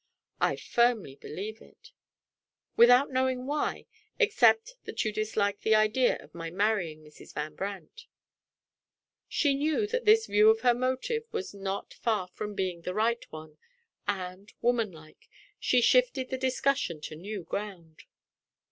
"I firmly believe it." "Without knowing why except that you dislike the idea of my marrying Mrs. Van Brandt?" She knew that this view of her motive was not far from being the right one and, womanlike, she shifted the discussion to new ground.